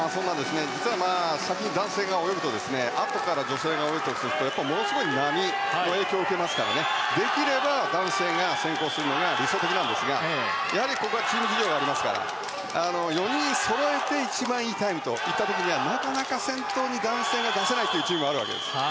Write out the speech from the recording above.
実は先に男性が泳ぐとあとから女性が泳ぐ時にものすごい波の影響を受けますからできれば男性が先行するのが理想的なんですがここはチーム事情がありますから４人そろえて一番いいタイムといった時にはなかなか先頭に男性を出せないというチームがあるわけです。